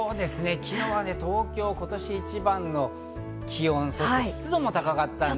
昨日は、東京今年一番の気温、そして湿度も高かった。